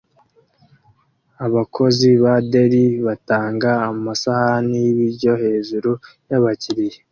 Abakozi ba Deli batanga amasahani y'ibiryo hejuru yabakiriya